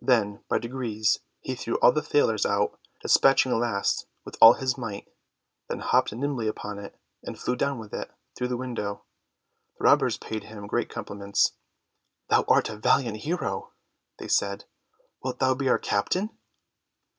Then by degrees he threw all the thalers out, dispatching the last with all his might, then hopped nimbly upon it, and flew down with it through the window. The robbers paid him great compliments. "Thou art a valiant hero," said they; "wilt thou be our captain?"